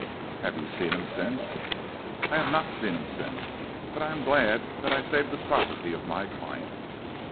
"Have you seen him since?" "I have not seen him since. But I am glad that I saved the property of my client."